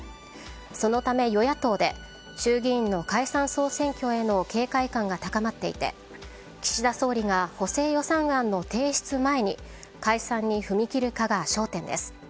そのため、与野党で衆議院の解散・総選挙への警戒感が高まっていて岸田総理が補正予算案の提出前に解散に踏み切るかが焦点です。